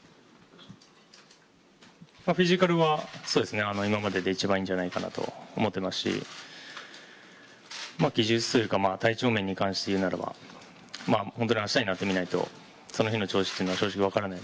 フィジカルは今までで一番いいんじゃないかなと思っていますし、技術というか体調面に関していうならば本当に明日になってみないと、その日の調子は分からない。